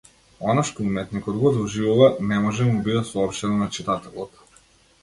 Она што уметникот го доживува, не може да му биде соопштено на читателот.